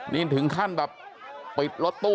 นี่ถึงขั้นแบบปิดรถตู้